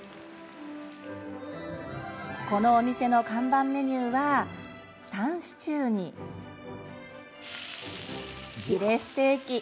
このお店の看板メニューはタンシチューにヒレステーキ。